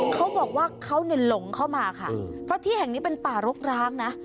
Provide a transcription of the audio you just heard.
เขาบอกว่าเขาเนี่ยหลงเข้ามาค่ะเพราะที่แห่งนี้เป็นป่ารกร้างนะ